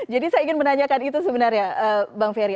jadi saya ingin menanyakan itu sebenarnya bang ferry